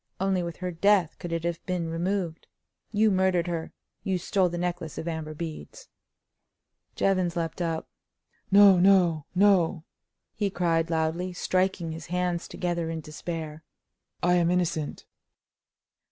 Only with her death could it have been removed. You murdered her; you stole the necklace of amber beads." Jevons leaped up: "No, no, no!" he cried, loudly, striking his hands together in despair. "I am innocent!"